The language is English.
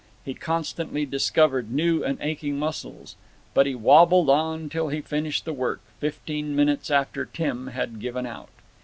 He constantly discovered new and aching muscles. But he wabbled on until he finished the work, fifteen minutes after Tim had given out.